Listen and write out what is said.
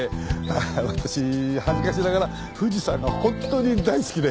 私恥ずかしながら富士山が本当に大好きで。